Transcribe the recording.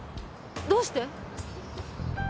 どうして？